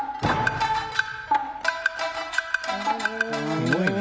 すごいね。